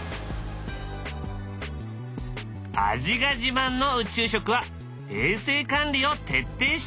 味が自慢の宇宙食は衛生管理を徹底していた。